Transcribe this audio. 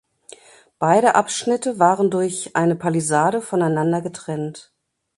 Beide Abschnitte waren durch eine Palisade voneinander getrennt.